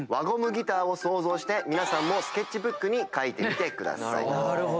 ゴムギターを想像して皆さんもスケッチブックに描いてみてください。